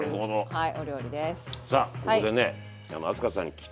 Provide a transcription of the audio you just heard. はい。